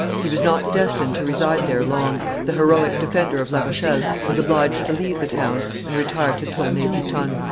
He was not destined to reside there long; the heroic defender of La Rochelle was obliged to leave the town and retire to Tournay Boutonne.